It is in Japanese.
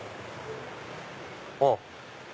あっ。